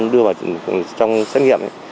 đưa vào trong xét nghiệm